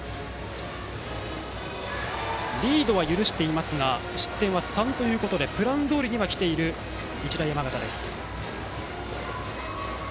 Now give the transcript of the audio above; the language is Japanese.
リードは許していますが失点は３ということでプランどおりには来ている日大山形。